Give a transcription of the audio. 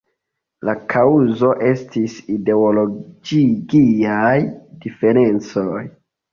La kaŭzo estis ideologiaj diferencoj.